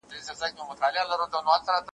چاته به په چیغو خپل د ورکي ګرېوان څیري کړم ,